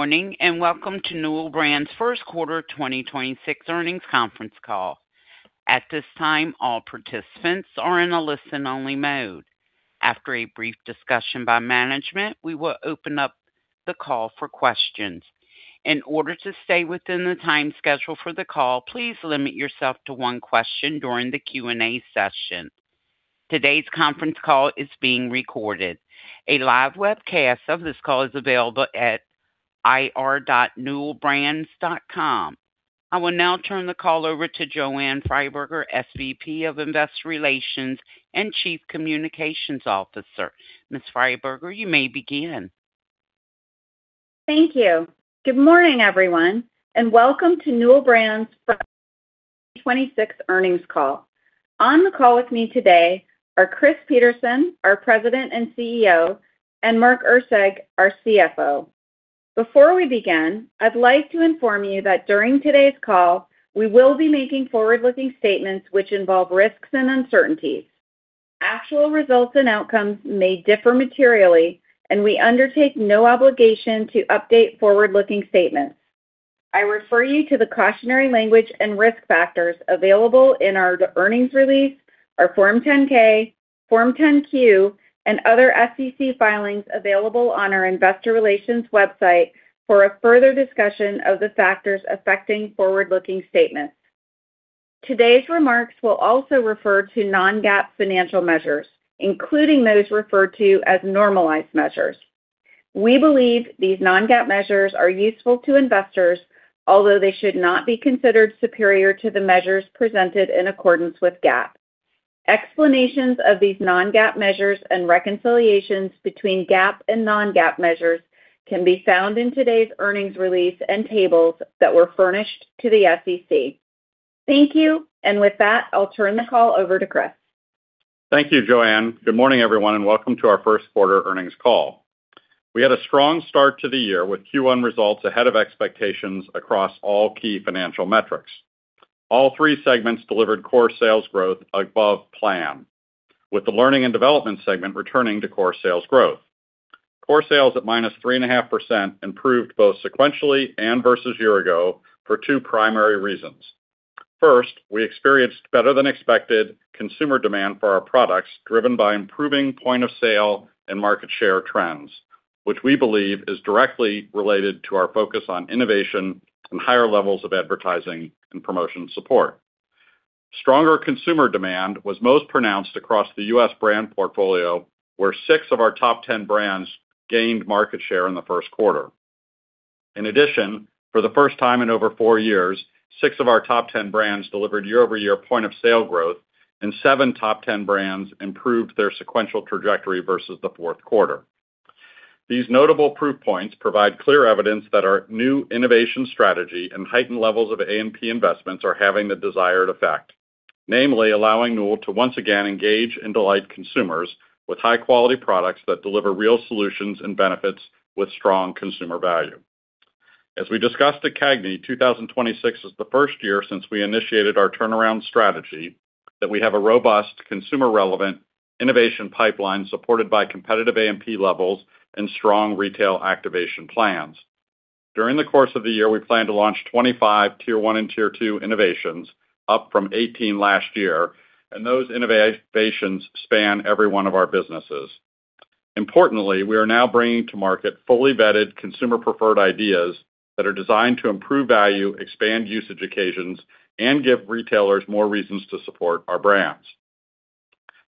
Morning, welcome to Newell Brands' Q1 2026 earnings conference call. At this time, all participants are in a listen-only mode. After a brief discussion by management, we will open up the call for questions. In order to stay within the time schedule for the call, please limit yourself to one question during the Q&A session. Today's conference call is being recorded. A live webcast of this call is available at ir.newellbrands.com. I will now turn the call over to Joanne Freiberger, SVP of Investor Relations and Chief Communications Officer. Ms. Freiberger, you may begin. Thank you. Good morning, everyone, and welcome to Newell Brands' Q1 2026 earnings call. On the call with me today are Chris Peterson, our President and CEO, and Mark Erceg, our CFO. Before we begin, I'd like to inform you that during today's call, we will be making forward-looking statements which involve risks and uncertainties. Actual results and outcomes may differ materially, and we undertake no obligation to update forward-looking statements. I refer you to the cautionary language and risk factors available in our earnings release, our Form 10-K, Form 10-Q, and other SEC filings available on our investor relations website for a further discussion of the factors affecting forward-looking statements. Today's remarks will also refer to non-GAAP financial measures, including those referred to as normalized measures. We believe these non-GAAP measures are useful to investors, although they should not be considered superior to the measures presented in accordance with GAAP. Explanations of these non-GAAP measures and reconciliations between GAAP and non-GAAP measures can be found in today's earnings release and tables that were furnished to the SEC. Thank you. With that, I'll turn the call over to Chris. Thank you, Joanne. Good morning, everyone, and welcome to our Q1 earnings call. We had a strong start to the year with Q1 results ahead of expectations across all key financial metrics. All three segments delivered core sales growth above plan, with the learning and development segment returning to core sales growth. Core sales at -3.5% improved both sequentially and versus year-ago for two primary reasons. First, we experienced better than expected consumer demand for our products, driven by improving point of sale and market share trends, which we believe is directly related to our focus on innovation and higher levels of advertising and promotion support. Stronger consumer demand was most pronounced across the U.S. brand portfolio, where six of our top 10 brands gained market share in the Q1. In addition, for the first time in over four years, 6 of our top 10 brands delivered year-over-year point of sale growth, and 7 top 10 brands improved their sequential trajectory versus the Q1. These notable proof points provide clear evidence that our new innovation strategy and heightened levels of A&P investments are having the desired effect. Namely, allowing Newell to once again engage and delight consumers with high-quality products that deliver real solutions and benefits with strong consumer value. As we discussed at CAGNY, 2026 is the first year since we initiated our turnaround strategy that we have a robust, consumer-relevant innovation pipeline supported by competitive A&P levels and strong retail activation plans. During the course of the year, we plan to launch 25 Tier 1 and Tier 2 innovations, up from 18 last year. Those innovations span every one of our businesses. Importantly, we are now bringing to market fully vetted consumer-preferred ideas that are designed to improve value, expand usage occasions, and give retailers more reasons to support our brands.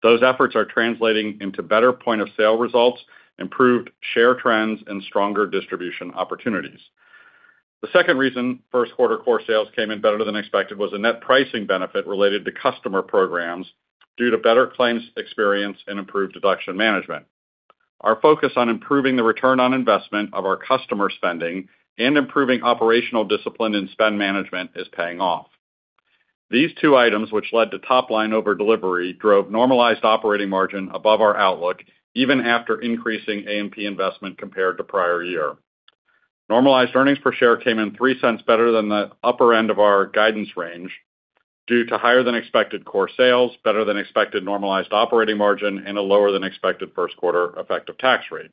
Those efforts are translating into better point of sale results, improved share trends, and stronger distribution opportunities. The second reason Q1 core sales came in better than expected was a net pricing benefit related to customer programs due to better claims experience and improved deduction management. Our focus on improving the return on investment of our customer spending and improving operational discipline and spend management is paying off. These two items, which led to top-line over-delivery, drove normalized operating margin above our outlook, even after increasing A&P investment compared to prior year. Normalized earnings per share came in $0.03 better than the upper end of our guidance range due to higher than expected core sales, better than expected normalized operating margin, and a lower than expected Q1 effective tax rate.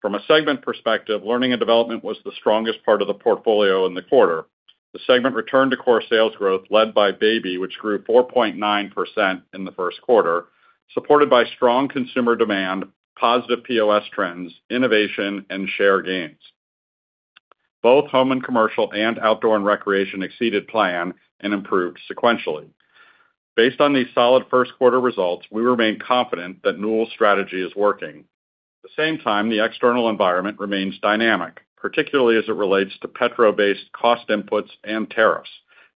From a segment perspective, Learning and Development was the strongest part of the portfolio in the quarter. The segment returned to core sales growth led by Baby, which grew 4.9% in the Q1, supported by strong consumer demand, positive POS trends, innovation, and share gains. Both Home and Commercial and Outdoor and Recreation exceeded plan and improved sequentially. Based on these solid Q1 results, we remain confident that Newell's strategy is working. The external environment remains dynamic, particularly as it relates to petro-based cost inputs and tariffs.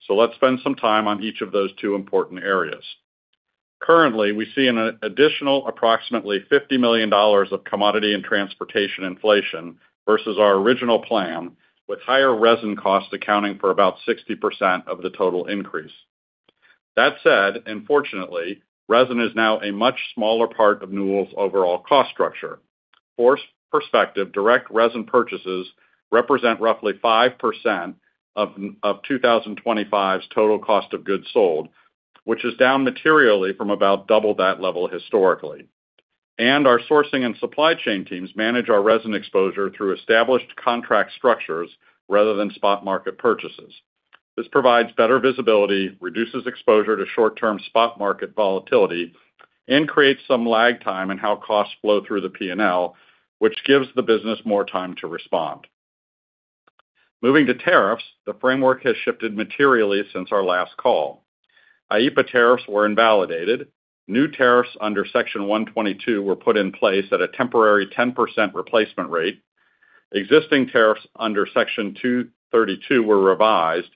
Let's spend some time on each of those two important areas. Currently, we see an additional approximately $50 million of commodity and transportation inflation versus our original plan, with higher resin costs accounting for about 60% of the total increase. Unfortunately, resin is now a much smaller part of Newell's overall cost structure. For perspective, direct resin purchases represent roughly 5% of 2025's total cost of goods sold, which is down materially from about double that level historically. Our sourcing and supply chain teams manage our resin exposure through established contract structures rather than spot market purchases. This provides better visibility, reduces exposure to short-term spot market volatility, and creates some lag time in how costs flow through the P&L, which gives the business more time to respond. Moving to tariffs, the framework has shifted materially since our last call. IEEPA tariffs were invalidated. New tariffs under Section 122 were put in place at a temporary 10% replacement rate. Existing tariffs under Section 232 were revised,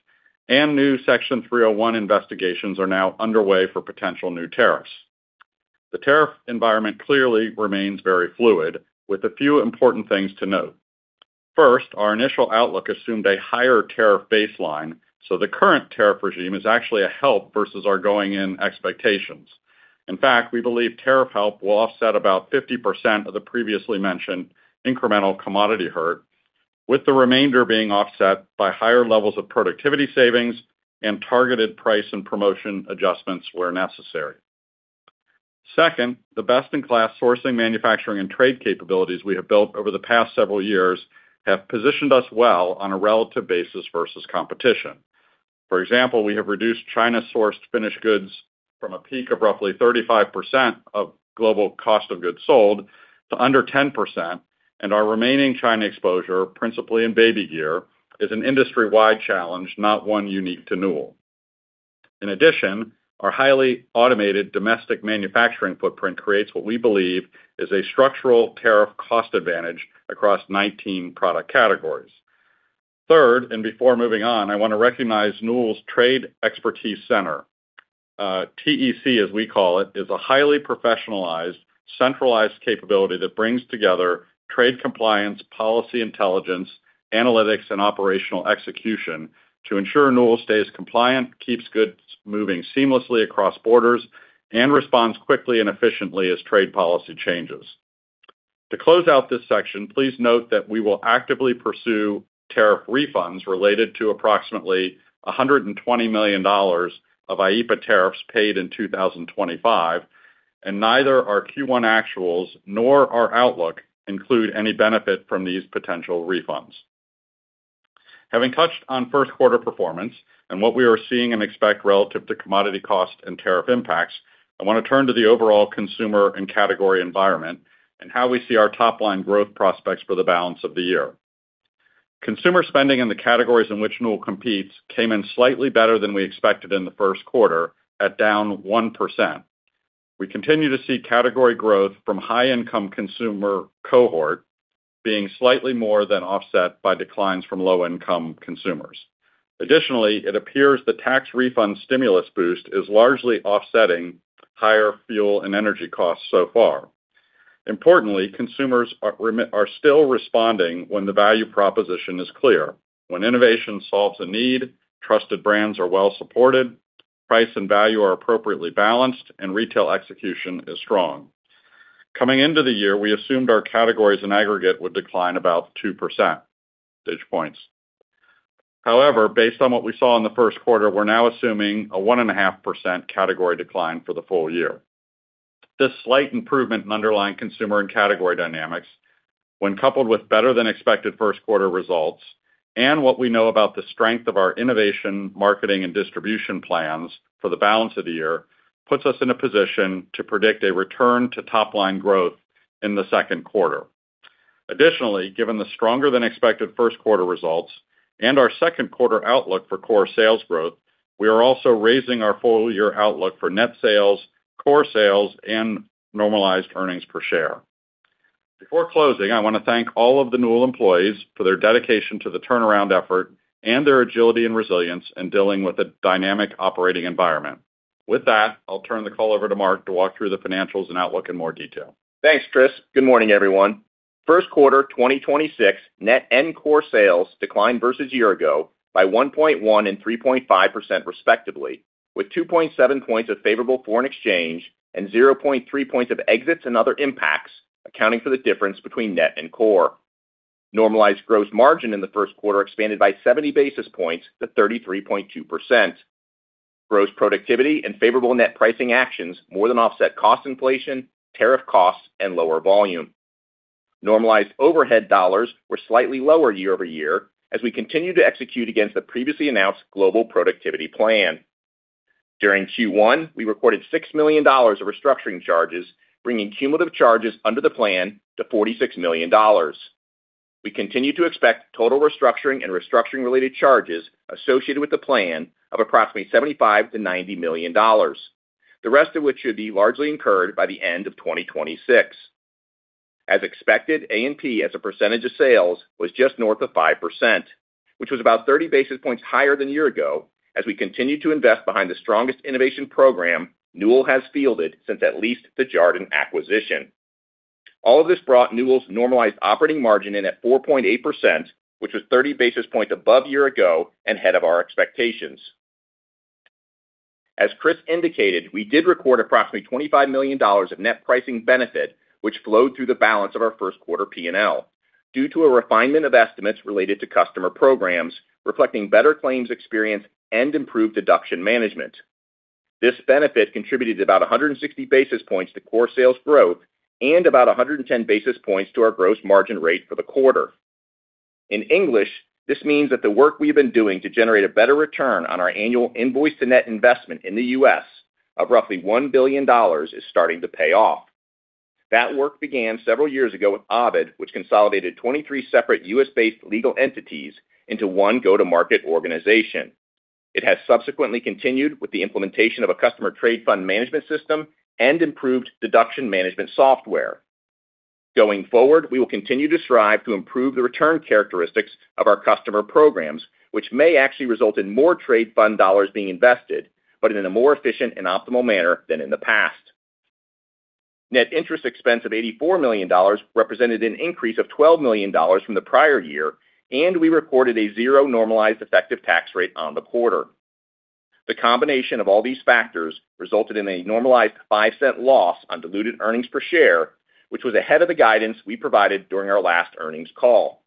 and new Section 301 investigations are now underway for potential new tariffs. The tariff environment clearly remains very fluid, with a few important things to note. First, our initial outlook assumed a higher tariff baseline, so the current tariff regime is actually a help versus our going-in expectations. In fact, we believe tariff help will offset about 50% of the previously mentioned incremental commodity hurt, with the remainder being offset by higher levels of productivity savings and targeted price and promotion adjustments where necessary. Second, the best-in-class sourcing, manufacturing, and trade capabilities we have built over the past several years have positioned us well on a relative basis versus competition. For example, we have reduced China-sourced finished goods from a peak of roughly 35% of global cost of goods sold to under 10%. Our remaining China exposure, principally in baby gear, is an industry-wide challenge, not one unique to Newell. In addition, our highly automated domestic manufacturing footprint creates what we believe is a structural tariff cost advantage across 19 product categories. Third, and before moving on, I want to recognize Newell's Trade Expertise Center. TEC, as we call it, is a highly professionalized, centralized capability that brings together trade compliance, policy intelligence, analytics, and operational execution to ensure Newell stays compliant, keeps goods moving seamlessly across borders, and responds quickly and efficiently as trade policy changes. To close out this section, please note that we will actively pursue tariff refunds related to approximately $120 million of IEEPA tariffs paid in 2025, and neither our Q1 actuals nor our outlook include any benefit from these potential refunds. Having touched on Q1 performance and what we are seeing and expect relative to commodity cost and tariff impacts, I want to turn to the overall consumer and category environment and how we see our top-line growth prospects for the balance of the year. Consumer spending in the categories in which Newell competes came in slightly better than we expected in the Q1 at down 1%. We continue to see category growth from high-income consumer cohort being slightly more than offset by declines from low-income consumers. Additionally, it appears the tax refund stimulus boost is largely offsetting higher fuel and energy costs so far. Importantly, consumers are still responding when the value proposition is clear. When innovation solves a need, trusted brands are well supported, price and value are appropriately balanced, and retail execution is strong. Coming into the year, we assumed our categories in aggregate would decline about 2 percentage points. Based on what we saw in the Q1, we're now assuming a 1.5% category decline for the full year. This slight improvement in underlying consumer and category dynamics, when coupled with better-than-expected Q1 results and what we know about the strength of our innovation, marketing, and distribution plans for the balance of the year, puts us in a position to predict a return to top-line growth in the Q2. Additionally, given the stronger than expected Q1 results and our Q2 outlook for core sales growth, we are also raising our full year outlook for net sales, core sales, and normalized earnings per share. Before closing, I want to thank all of the Newell employees for their dedication to the turnaround effort and their agility and resilience in dealing with a dynamic operating environment. With that, I'll turn the call over to Mark to walk through the financials and outlook in more detail. Thanks, Chris. Good morning, everyone. Q1 2026 net and core sales declined versus year ago by 1.1 and 3.5% respectively, with 2.7 points of favorable foreign exchange and 0.3 points of exits and other impacts accounting for the difference between net and core. Normalized gross margin in the Q1 expanded by 70 basis points to 33.2%. Gross productivity and favorable net pricing actions more than offset cost inflation, tariff costs, and lower volume. Normalized overhead dollars were slightly lower year-over-year as we continue to execute against the previously announced global productivity plan. During Q1, we recorded $6 million of restructuring charges, bringing cumulative charges under the plan to $46 million. We continue to expect total restructuring and restructuring-related charges associated with the plan of approximately $75 million-$90 million, the rest of which should be largely incurred by the end of 2026. As expected, A&P as a percentage of sales was just north of 5%, which was about 30 basis points higher than a year ago as we continue to invest behind the strongest innovation program Newell has fielded since at least the Jarden acquisition. All of this brought Newell's normalized operating margin in at 4.8%, which was 30 basis points above year ago and ahead of our expectations. As Chris indicated, we did record approximately $25 million of net pricing benefit, which flowed through the balance of our Q1 P&L. Due to a refinement of estimates related to customer programs, reflecting better claims experience and improved deduction management. This benefit contributed about 160 basis points to core sales growth and about 110 basis points to our gross margin rate for the quarter. In English, this means that the work we have been doing to generate a better return on our annual invoice to net investment in the U.S. of roughly $1 billion is starting to pay off. That work began several years ago with Ovid, which consolidated 23 separate U.S.-based legal entities into one-go-to-market organization. It has subsequently continued with the implementation of a customer trade fund management system and improved deduction management software. Going forward, we will continue to strive to improve the return characteristics of our customer programs, which may actually result in more trade fund dollars being invested, but in a more efficient and optimal manner than in the past. Net interest expense of $84 million represented an increase of $12 million from the prior year, and we reported a zero normalized effective tax rate on the quarter. The combination of all these factors resulted in a normalized $0.05 loss on diluted earnings per share, which was ahead of the guidance we provided during our last earnings call.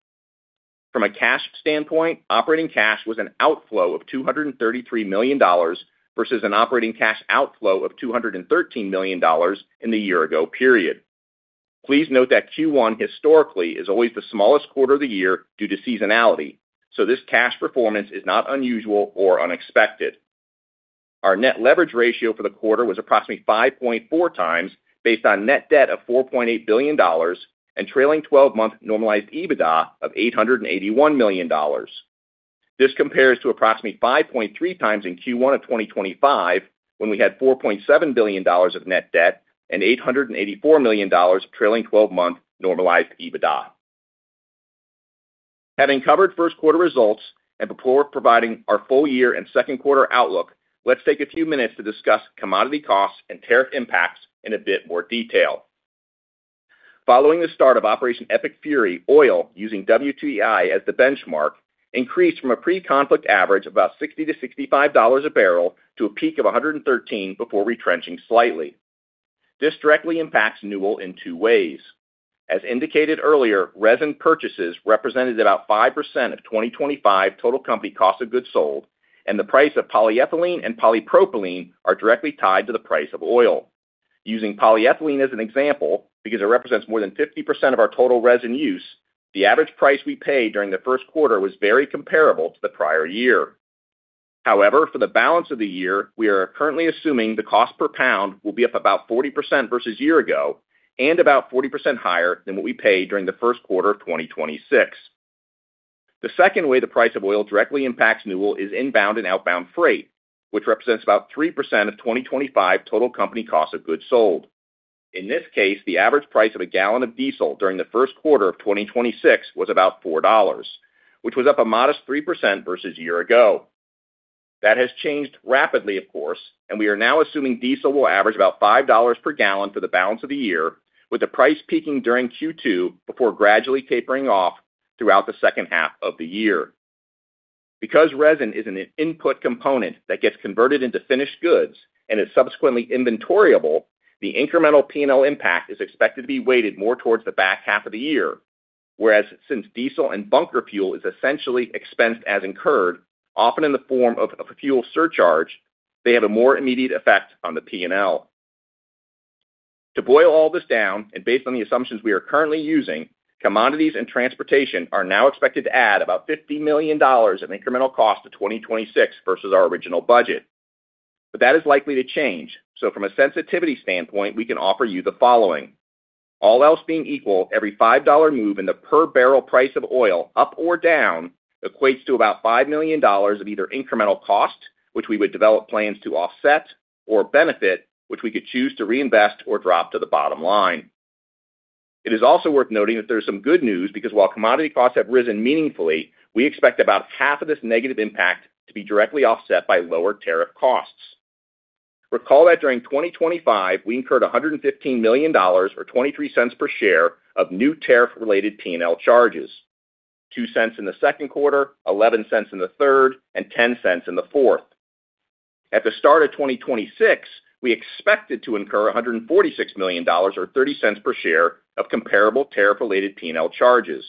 From a cash standpoint, operating cash was an outflow of $233 million versus an operating cash outflow of $213 million in the year ago period. Please note that Q1 historically is always the smallest quarter of the year due to seasonality, so this cash performance is not unusual or unexpected. Our net leverage ratio for the quarter was approximately 5.4x based on net debt of $4.8 billion and trailing 12-month normalized EBITDA of $881 million. This compares to approximately 5.3x in Q1 of 2025 when we had $4.7 billion of net debt and $884 million of trailing 12-month normalized EBITDA. Having covered Q1 results and before providing our full year and Q2 outlook, let's take a few minutes to discuss commodity costs and tariff impacts in a bit more detail. Following the start of Operation Epic Fury, oil, using WTI as the benchmark, increased from a pre-conflict average of about $60-$65 a barrel to a peak of 113 before retrenching slightly. This directly impacts Newell in two ways. As indicated earlier, resin purchases represented about 5% of 2025 total company cost of goods sold, and the price of polyethylene and polypropylene are directly tied to the price of oil. Using polyethylene as an example, because it represents more than 50% of our total resin use, the average price we paid during the Q1 was very comparable to the prior year. However, for the balance of the year, we are currently assuming the cost per pound will be up about 40% versus year ago and about 40% higher than what we paid during the Q1 of 2026. The second way the price of oil directly impacts Newell is inbound and outbound freight, which represents about 3% of 2025 total company cost of goods sold. In this case, the average price of a gallon of diesel during the Q1 of 2026 was about $4, which was up a modest 3% versus year ago. That has changed rapidly, of course, and we are now assuming diesel will average about $5 per gallon for the balance of the year, with the price peaking during Q2 before gradually tapering off throughout the H2 of the year. Because resin is an input component that gets converted into finished goods and is subsequently inventoriable, the incremental P&L impact is expected to be weighted more towards H2 of the year, whereas since diesel and bunker fuel is essentially expensed as incurred, often in the form of a fuel surcharge, they have a more immediate effect on the P&L. To boil all this down, and based on the assumptions we are currently using, commodities and transportation are now expected to add about $50 million of incremental cost to 2026 versus our original budget. That is likely to change, so from a sensitivity standpoint, we can offer you the following. All else being equal, every $5 move in the per barrel price of oil up or down equates to about $5 million of either incremental cost, which we would develop plans to offset, or benefit, which we could choose to reinvest or drop to the bottom line. It is also worth noting that there is some good news because while commodity costs have risen meaningfully, we expect about half of this negative impact to be directly offset by lower tariff costs. Recall that during 2025, we incurred $115 million, or $0.23 per share, of new tariff-related P&L charges. $0.02 in the Q2, $0.11 in Q3, and $0.10 in Q4. At the start of 2026, we expected to incur $146 million, or $0.30 per share, of comparable tariff-related P&L charges.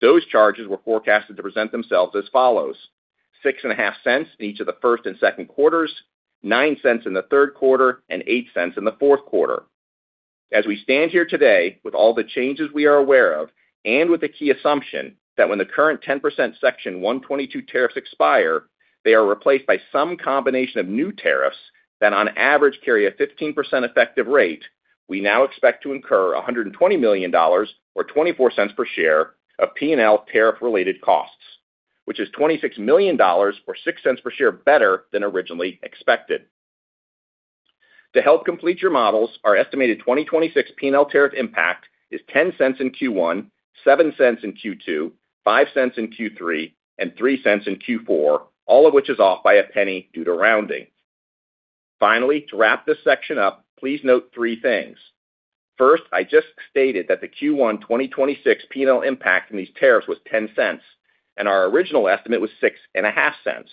Those charges were forecasted to present themselves as follows: $0.065 in each of Q1 and Q2, $0.09 in the Q3, and $0.08 in the Q4. As we stand here today, with all the changes we are aware of, and with the key assumption that when the current 10% Section 122 tariffs expire, they are replaced by some combination of new tariffs that on average carry a 15% effective rate, we now expect to incur $120 million, or $0.24 per share, of P&L tariff-related costs, which is $26 million, or $0.06 per share, better than originally expected. To help complete your models, our estimated 2026 P&L tariff impact is $0.10 in Q1, $0.07 in Q2, $0.05 in Q3, and $0.03 in Q4, all of which is off by $0.01 due to rounding. Finally, to wrap this section up, please note three things. I just stated that the Q1 2026 P&L impact in these tariffs was $0.10, and our original estimate was $0.065.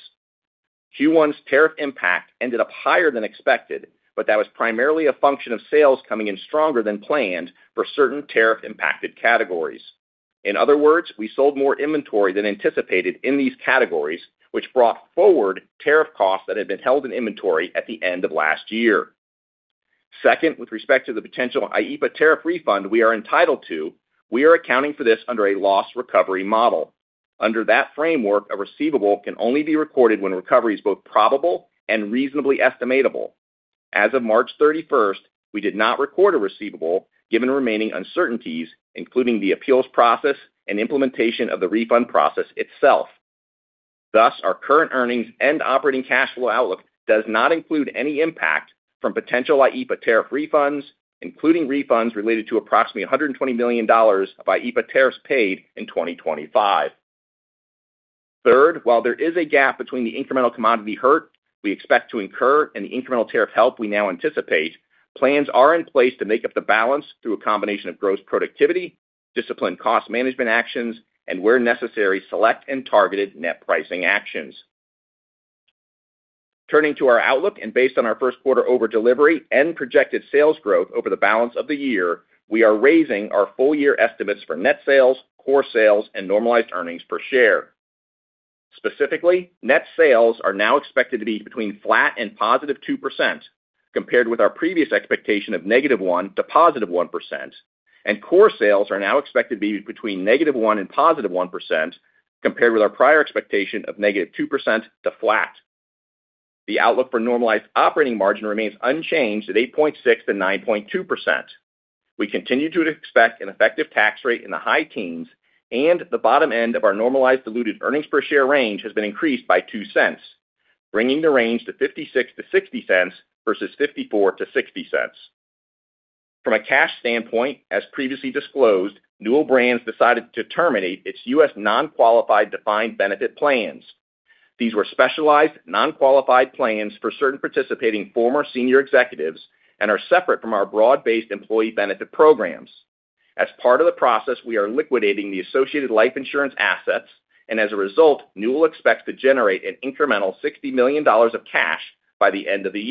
Q1's tariff impact ended up higher than expected, but that was primarily a function of sales coming in stronger than planned for certain tariff impacted categories. In other words, we sold more inventory than anticipated in these categories, which brought forward tariff costs that had been held in inventory at the end of last year. With respect to the potential IEEPA tariff refund we are entitled to, we are accounting for this under a loss recovery model. Under that framework, a receivable can only be recorded when recovery is both probable and reasonably estimatable. As of March 31st, we did not record a receivable given remaining uncertainties, including the appeals process and implementation of the refund process itself. Thus, our current earnings and operating cash flow outlook does not include any impact from potential IEEPA tariff refunds, including refunds related to approximately $120 million of IEEPA tariffs paid in 2025. Third, while there is a gap between the incremental commodity hurt we expect to incur and the incremental tariff help we now anticipate, plans are in place to make up the balance through a combination of gross productivity, disciplined cost management actions, and where necessary, select and targeted net pricing actions. Turning to our outlook and based on our Q1 over delivery and projected sales growth over the balance of the year, we are raising our full year estimates for net sales, core sales, and normalized earnings per share. Specifically, net sales are now expected to be between flat and +2% compared with our previous expectation of -1% to 1%. Core sales are now expected to be between -1% and 1% compared with our prior expectation of -2% to flat. The outlook for normalized operating margin remains unchanged at 8.6%-9.2%. We continue to expect an effective tax rate in the high teens and the bottom end of our normalized diluted earnings per share range has been increased by $0.02, bringing the range to $0.56-$0.60 versus $0.54-$0.60. From a cash standpoint, as previously disclosed, Newell Brands decided to terminate its U.S. non-qualified defined benefit plans. These were specialized non-qualified plans for certain participating former senior executives and are separate from our broad-based employee benefit programs. As part of the process, we are liquidating the associated life insurance assets. As a result, Newell expects to generate an incremental $60 million of cash by the end of the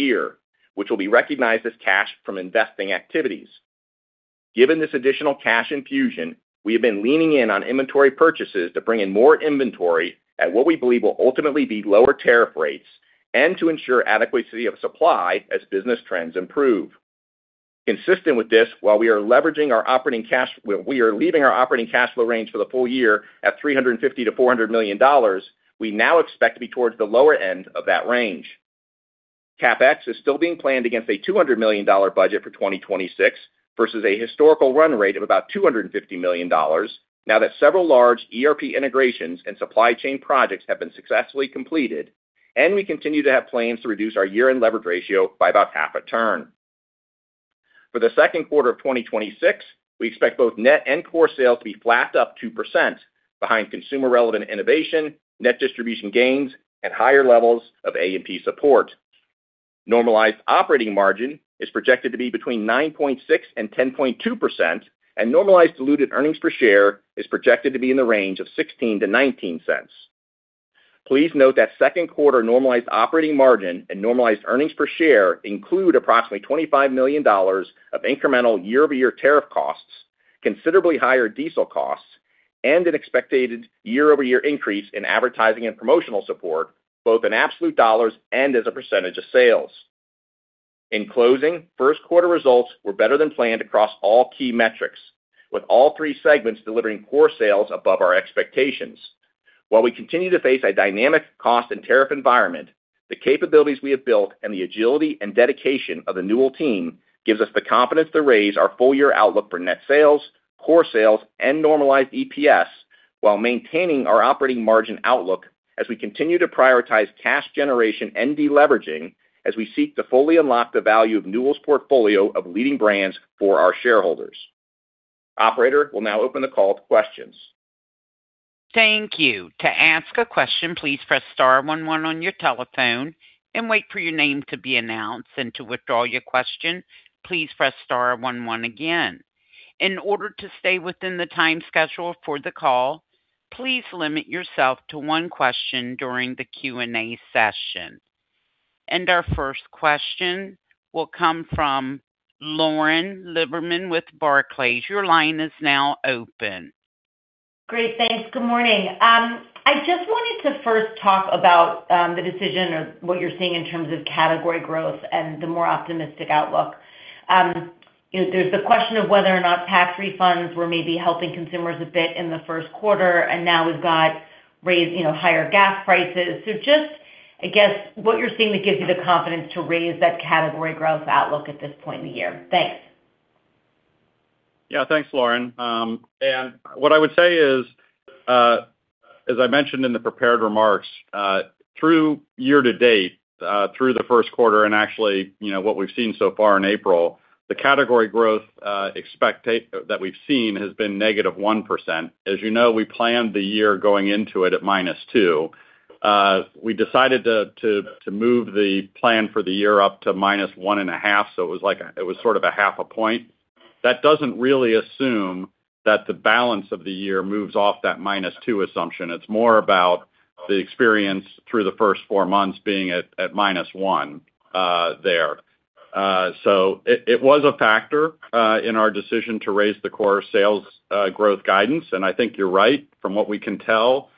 year, which will be recognized as cash from investing activities. Given this additional cash infusion, we have been leaning in on inventory purchases to bring in more inventory at what we believe will ultimately be lower tariff rates and to ensure adequacy of supply as business trends improve. Consistent with this, while we are leveraging, we are leaving our operating cash flow range for the full year at $350 million-$400 million, we now expect to be towards the lower end of that range. CapEx is still being planned against a $200 million budget for 2026 versus a historical run rate of about $250 million now that several large ERP integrations and supply chain projects have been successfully completed. We continue to have plans to reduce our year-end leverage ratio by about half a turn. For the Q2 of 2026, we expect both net and core sales to be flat up 2% behind consumer relevant innovation, net distribution gains, and higher levels of A&P support. Normalized operating margin is projected to be between 9.6% and 10.2%, and normalized diluted earnings per share is projected to be in the range of $0.16-$0.19. Please note that Q2 normalized operating margin and normalized EPS include approximately $25 million of incremental year-over-year tariff costs, considerably higher diesel costs, and an expected year-over-year increase in advertising and promotional support, both in absolute dollars and as a percentage of sales. In closing, Q1 results were better than planned across all key metrics, with all three segments delivering core sales above our expectations. While we continue to face a dynamic cost and tariff environment, the capabilities we have built and the agility and dedication of the Newell team gives us the confidence to raise our full year outlook for net sales, core sales, and normalized EPS while maintaining our operating margin outlook as we continue to prioritize cash generation and deleveraging as we seek to fully unlock the value of Newell's portfolio of leading brands for our shareholders. Operator, we'll now open the call to questions. Our first question will come from Lauren Lieberman with Barclays. Your line is now open. Great. Thanks. Good morning. I just wanted to first talk about the decision of what you're seeing in terms of category growth and the more optimistic outlook. You know, there's the question of whether or not tax refunds were maybe helping consumers a bit in the Q1, and now we've got raise, higher gas prices. Just, I guess, what you're seeing that gives you the confidence to raise that category growth outlook at this point in the year. Thanks. Yeah. Thanks, Lauren. What I would say is, as I mentioned in the prepared remarks, through year to date, through the Q1 and actually, you know, what we've seen so far in April, the category growth that we've seen has been -1%. As you know, we planned the year going into it at -2. We decided to move the plan for the year up to -1.5, so it was like it was sort of a 0.5 point. That doesn't really assume that the balance of the year moves off that -2 assumption. It's more about the experience through the first four months being at -1 there. It was a factor in our decision to raise the core sales growth guidance. I think you're right from what we can tell,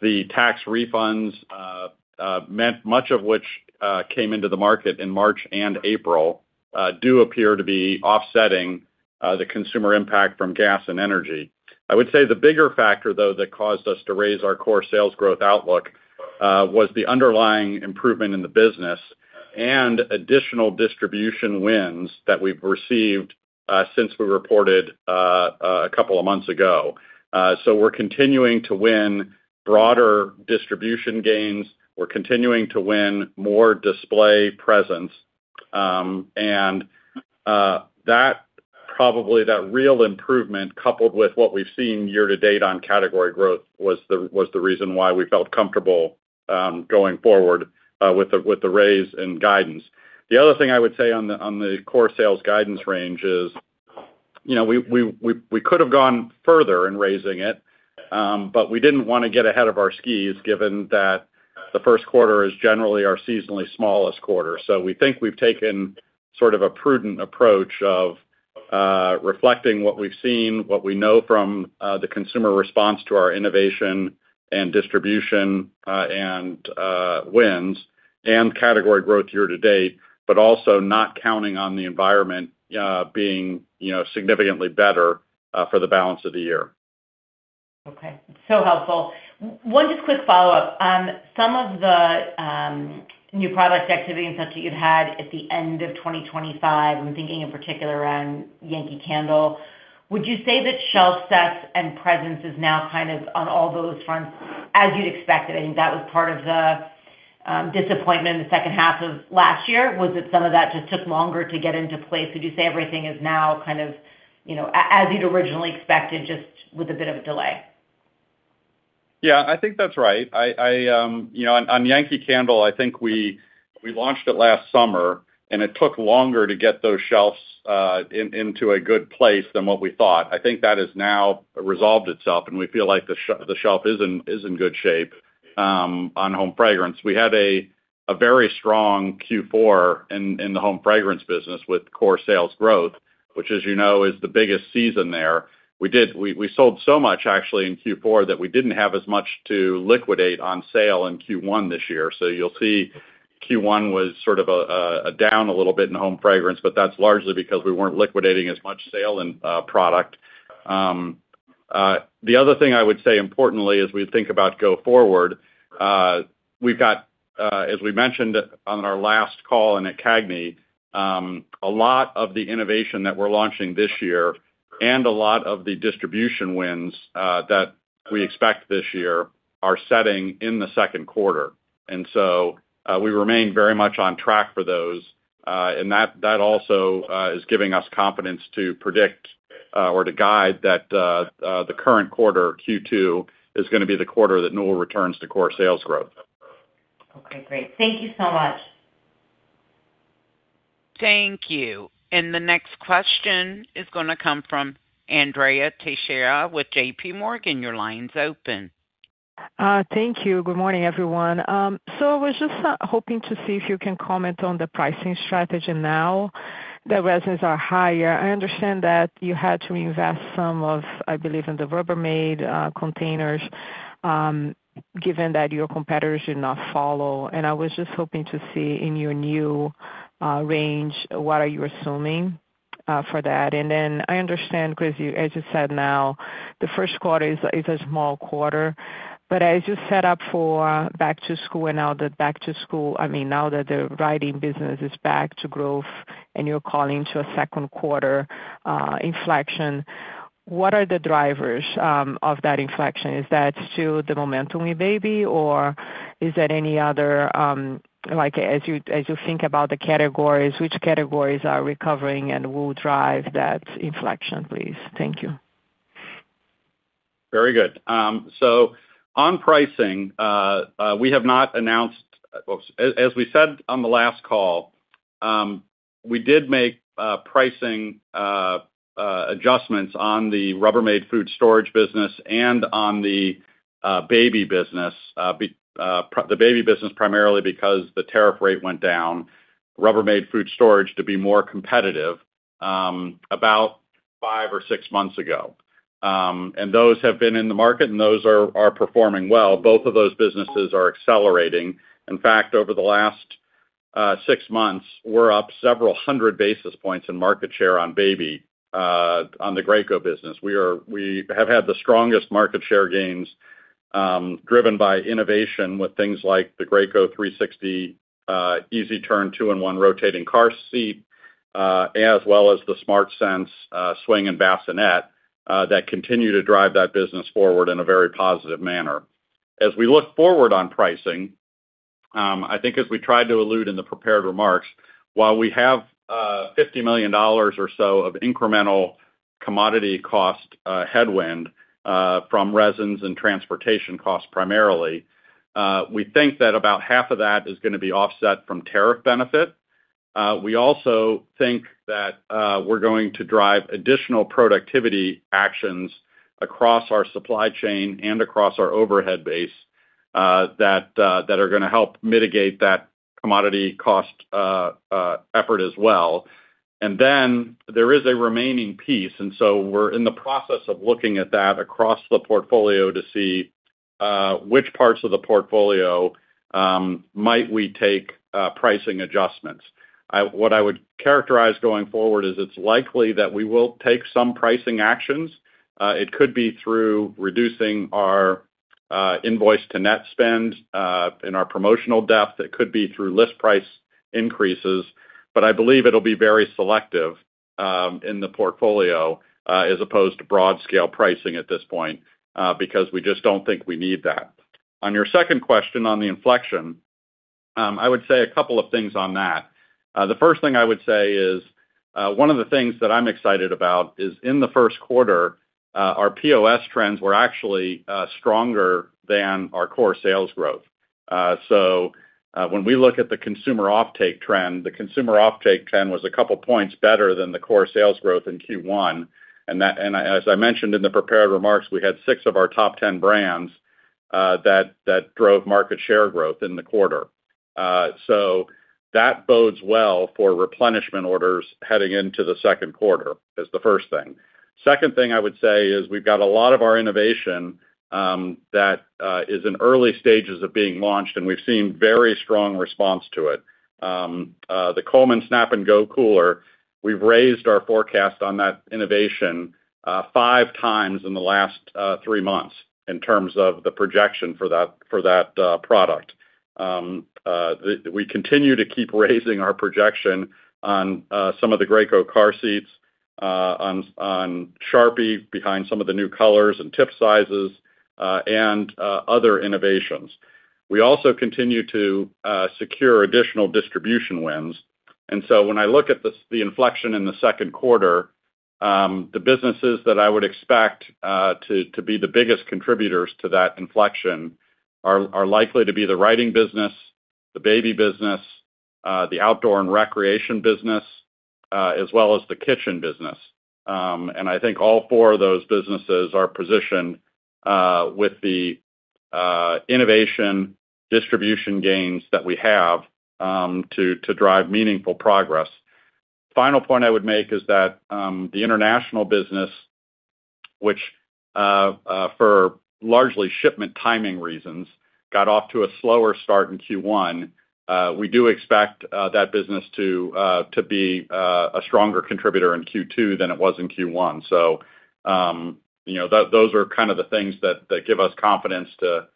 the tax refunds meant much of which came into the market in March and April, do appear to be offsetting the consumer impact from gas and energy. The bigger factor, though, that caused us to raise our core sales growth outlook, was the underlying improvement in the business and additional distribution wins that we've received since we reported a couple of months ago. We're continuing to win broader distribution gains. We're continuing to win more display presence. That probably, that real improvement coupled with what we've seen year to date on category growth was the reason why we felt comfortable going forward with the raise in guidance. The other thing I would say on the core sales guidance range is, you know, we could have gone further in raising it, but we didn't wanna get ahead of our skis, given that the Q1 is generally our seasonally smallest quarter. We think we've taken sort of a prudent approach of reflecting what we've seen, what we know from the consumer response to our innovation and distribution, and wins and category growth year-to-date, but also not counting on the environment being, you know, significantly better for the balance of the year. Okay. So helpful. One just quick follow-up. Some of the new product activity and such that you've had at the end of 2025, I'm thinking in particular around Yankee Candle. Would you say that shelf sets and presence is now kind of on all those fronts as you'd expected? I think that was part of the disappointment in the H2 of last year. Was it some of that just took longer to get into place? Would you say everything is now kind of, you know, as you'd originally expected, just with a bit of a delay? Yeah, I think that's right. I, you know, on Yankee Candle, I think we launched it last summer, and it took longer to get those shelves in, into a good place than what we thought. I think that has now resolved itself, and we feel like the shelf is in good shape on home fragrance. We had a very strong Q4 in the home fragrance business with core sales growth, which, as you know, is the biggest season there. We sold so much actually in Q4 that we didn't have as much to liquidate on sale in Q1 this year. You'll see Q1 was sort of a down a little bit in home fragrance, but that's largely because we weren't liquidating as much sale and product. The other thing I would say importantly as we think about go forward, we've got, as we mentioned on our last call and at CAGNY, a lot of the innovation that we're launching this year and a lot of the distribution wins that we expect this year are setting in the Q2. We remain very much on track for those. That, that also is giving us confidence to predict or to guide that the current quarter, Q2, is going to be the quarter that Newell Brands returns to core sales growth. Okay, great. Thank you so much. Thank you. The next question is gonna come from Andrea Teixeira with JPMorgan. Your line's open. Thank you. Good morning, everyone. I was just hoping to see if you can comment on the pricing strategy now that resins are higher. I understand that you had to invest some of, I believe, in the Rubbermaid containers, given that your competitors did not follow. I was just hoping to see in your new range, what are you assuming for that? I understand 'cause you, as you said now, the Q1 is a small quarter. As you set up for back to school, I mean, now that the writing business is back to growth and you're calling to a Q2 inflection, what are the drivers of that inflection? Is that still the momentum we baby, or is there any other, like, as you think about the categories, which categories are recovering and will drive that inflection, please? Thank you. Very good. On pricing, as we said on the last call, we did make pricing adjustments on the Rubbermaid Food Storage business and on the baby business. The baby business primarily because the tariff rate went down. Rubbermaid Food Storage to be more competitive, about five or six months ago. Those have been in the market, and those are performing well. Both of those businesses are accelerating. In fact, over the last six months, we're up several hundred basis points in market share on Baby, on the Graco business. We have had the strongest market share gains, driven by innovation with things like the Graco 360 EasyTurn 2-in-1 rotating car seat, as well as the SmartSense swing and bassinet, that continue to drive that business forward in a very positive manner. As we look forward on pricing, I think as we tried to allude in the prepared remarks, while we have $50 million or so of incremental commodity cost headwind from resins and transportation costs primarily. We think that about half of that is gonna be offset from tariff benefit. We also think that we're going to drive additional productivity actions across our supply chain and across our overhead base that are gonna help mitigate that commodity cost effort as well. There is a remaining piece, we're in the process of looking at that across the portfolio to see which parts of the portfolio might we take pricing adjustments. What I would characterize going forward is it's likely that we will take some pricing actions. It could be through reducing our invoice to net spend in our promotional depth. It could be through list price increases. I believe it'll be very selective in the portfolio as opposed to broad scale pricing at this point because we just don't think we need that. On your second question on the inflection, I would say a couple of things on that. The first thing I would say is, one of the things that I'm excited about is in the Q1, our POS trends were actually stronger than our core sales growth. When we look at the consumer offtake trend, the consumer offtake trend was a couple points better than the core sales growth in Q1. That and as I mentioned in the prepared remarks, we had 6 of our top 10 brands that drove market share growth in the quarter. That bodes well for replenishment orders heading into the Q2, is the first thing. Second thing I would say is we've got a lot of our innovation that is in early stages of being launched, and we've seen very strong response to it. The Coleman Snap 'N Go Cooler, we've raised our forecast on that innovation, 5x in the last three months in terms of the projection for that product. We continue to keep raising our projection on some of the Graco car seats, on Sharpie behind some of the new colors and tip sizes, and other innovations. We also continue to secure additional distribution wins. When I look at the inflection in the Q2, the businesses that I would expect to be the biggest contributors to that inflection are likely to be the Writing business, the Baby business, the Outdoor and Recreation business, as well as the Kitchen business. I think all four of those businesses are positioned with the innovation distribution gains that we have to drive meaningful progress. Final point I would make is that the international business, which for largely shipment timing reasons, got off to a slower start in Q1. We do expect that business to be a stronger contributor in Q2 than it was in Q1. You know, those are kind of the things that give us confidence to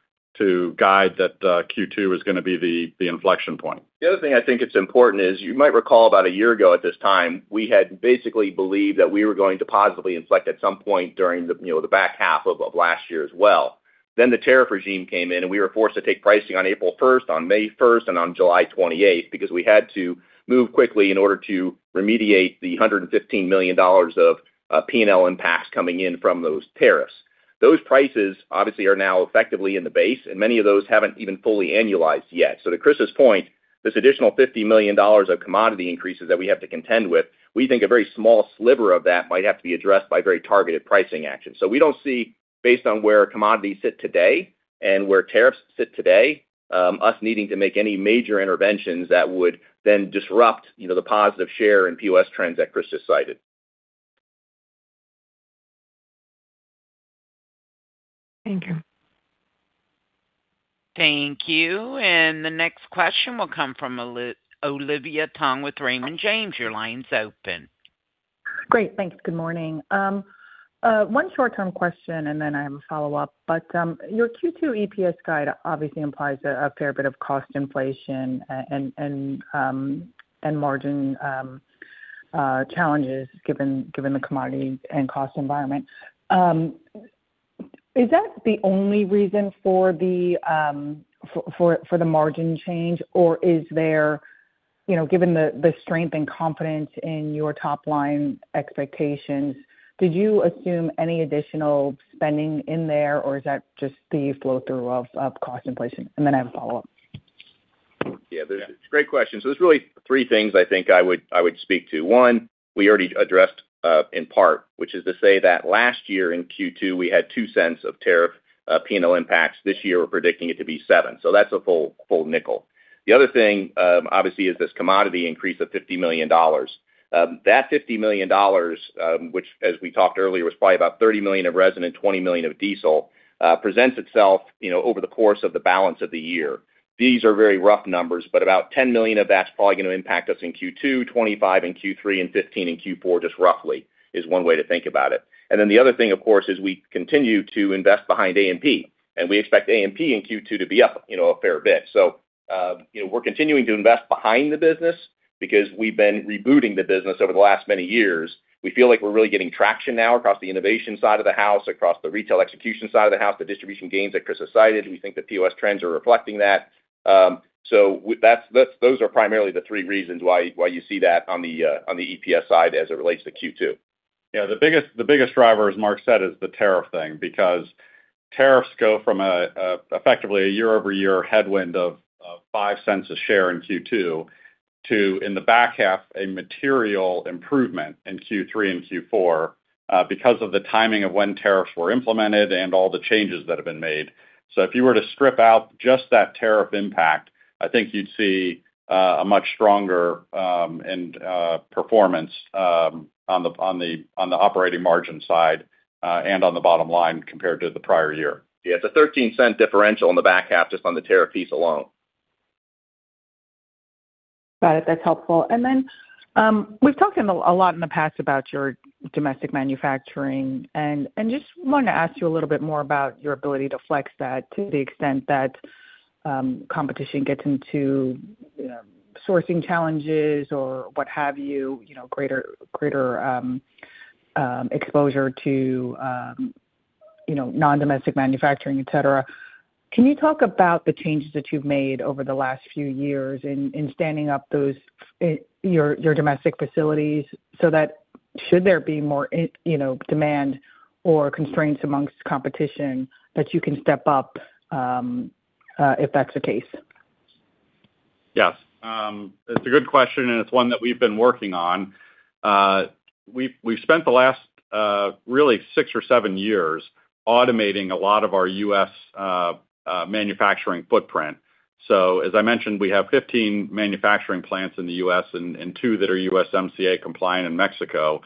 guide that Q2 is gonna be the inflection point. The other thing I think it's important is you might recall about a year ago at this time, we had basically believed that we were going to positively inflect at some point during the, you know, the H2 of last year as well. The tariff regime came in, and we were forced to take pricing on April 1, on May 1, and on July 28 because we had to move quickly in order to remediate the $115 million of P&L impasse coming in from those tariffs. Those prices obviously are now effectively in the base, and many of those haven't even fully annualized yet. To Chris's point, this additional $50 million of commodity increases that we have to contend with, we think a very small sliver of that might have to be addressed by very targeted pricing actions. We don't see, based on where commodities sit today and where tariffs sit today, us needing to make any major interventions that would then disrupt, you know, the positive share in POS trends that Chris just cited. Thank you. Thank you. The next question will come from Olivia Tong with Raymond James. Your line's open. Great. Thanks. Good morning. One short-term question, and then I have a follow-up. Your Q2 EPS guide obviously implies a fair bit of cost inflation and margin challenges given the commodity and cost environment. Is that the only reason for the margin change? Is there, you know, given the strength and confidence in your top line expectations, did you assume any additional spending in there, or is that just the flow-through of cost inflation? I have a follow-up. Great question. There's really three things I would speak to. One, we already addressed in part, which is to say that last year in Q2, we had $0.02 of tariff P&L impacts. This year, we're predicting it to be $0.07, so that's a full nickel. The other thing, obviously, is this commodity increase of $50 million. That $50 million, which as we talked earlier, was probably about $30 million of resin and $20 million of diesel, presents itself, you know, over the course of the balance of the year. These are very rough numbers, but about $10 million of that's probably going to impact us in Q2, $25 million in Q3, and $15 million in Q4, just roughly, is one way to think about it. The other thing, of course, is we continue to invest behind A&P, and we expect A&P in Q2 to be up, you know, a fair bit. You know, we're continuing to invest behind the business because we've been rebooting the business over the last many years. We feel like we're really getting traction now across the innovation side of the house, across the retail execution side of the house, the distribution gains that Chris has cited. We think the POS trends are reflecting that. Those are primarily the three reasons why you see that on the EPS side as it relates to Q2. Yeah, the biggest driver, as Mark said, is the tariff thing because tariffs go from effectively a year-over-year headwind of $0.05 a share in Q2 to, in the H2, a material improvement in Q3 and Q4 because of the timing of when tariffs were implemented and all the changes that have been made. If you were to strip out just that tariff impact, I think you'd see a much stronger and performance on the operating margin side and on the bottom line compared to the prior year. Yeah, it's a $0.13 differential in the H2 just on the tariff piece alone. Got it. That's helpful. Then we've talked a lot in the past about your domestic manufacturing and just wanted to ask you a little bit more about your ability to flex that to the extent that competition gets into, you know, sourcing challenges or what have you know, greater exposure to, you know, non-domestic manufacturing, et cetera. Can you talk about the changes that you've made over the last few years in standing up those your domestic facilities so that should there be more, you know, demand or constraints amongst competition that you can step up if that's the case? Yes. It's a good question, and it's one that we've been working on. We've, we've spent the last, really 6 years or 7 years automating a lot of our U.S. manufacturing footprint. As I mentioned, we have 15 manufacturing plants in the U.S. and two that are USMCA compliant in Mexico.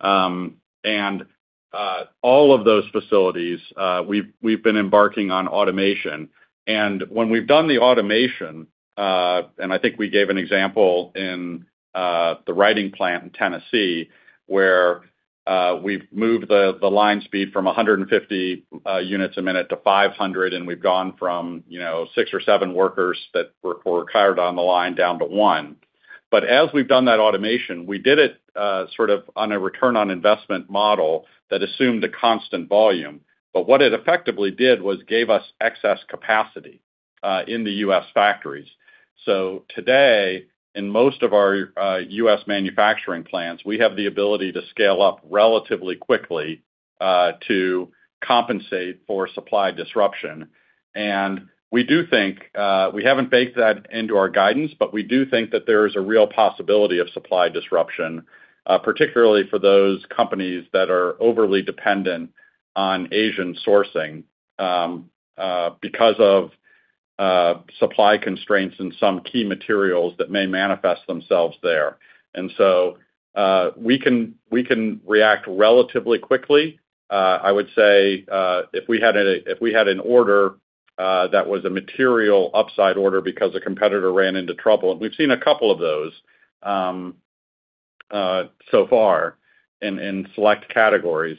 All of those facilities, we've been embarking on automation. When we've done the automation, and I think we gave an example in the writing plant in Tennessee, where we've moved the line speed from 150 units a minute to 500, and we've gone from, you know, 6 or 7 workers that were hired on the line down to 1. As we've done that automation, we did it sort of on a return on investment model that assumed a constant volume. What it effectively did was gave us excess capacity in the U.S. factories. Today, in most of our U.S. manufacturing plants, we have the ability to scale up relatively quickly to compensate for supply disruption. We do think, we haven't baked that into our guidance, but we do think that there is a real possibility of supply disruption, particularly for those companies that are overly dependent on Asian sourcing, because of supply constraints in some key materials that may manifest themselves there. We can react relatively quickly. I would say, if we had an order that was a material upside order because a competitor ran into trouble, and we've seen a couple of those so far in select categories,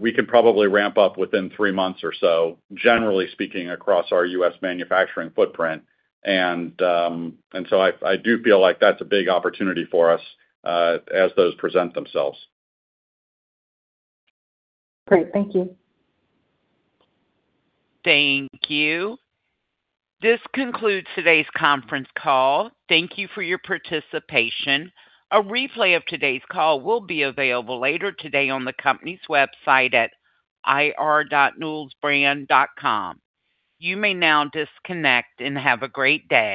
we could probably ramp up within three months or so, generally speaking, across our U.S. manufacturing footprint. I do feel like that's a big opportunity for us as those present themselves. Great. Thank you. Thank you. This concludes today's conference call. Thank you for your participation. A replay of today's call will be available later today on the company's website at ir.newellbrands.com. You may now disconnect and have a great day.